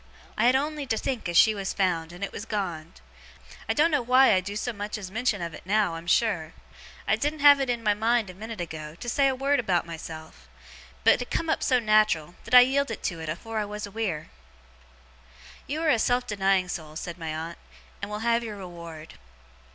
I had on'y to think as she was found, and it was gone. I doen't know why I do so much as mention of it now, I'm sure. I didn't have it in my mind a minute ago, to say a word about myself; but it come up so nat'ral, that I yielded to it afore I was aweer.' 'You are a self denying soul,' said my aunt, 'and will have your reward.